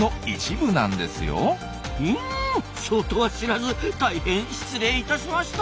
うんそうとは知らず大変失礼いたしました。